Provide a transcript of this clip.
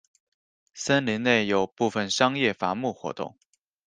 森林内有部分商业伐木活动。